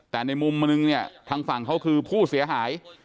แต่ในมุมนึงเนี่ยทางฝั่งเขาคือผู้เสียหาย